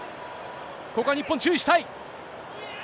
ここは日本、注意したい。